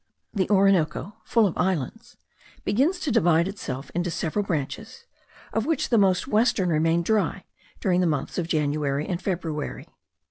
The Orinoco, full of islands, begins to divide itself into several branches, of which the most western remain dry during the months of January and February.